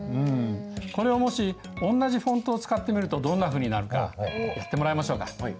これをもしおんなじフォントを使ってみるとどんなふうになるかやってもらいましょうか。